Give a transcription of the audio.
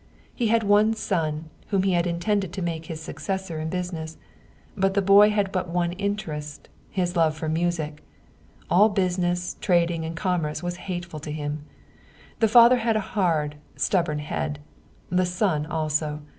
He had one son, whom he had intended to make his successor in business. But the boy had but one interest, his love for music. All business, trading and com merce was hateful to him. The father had a hard, stubborn head ; the son also.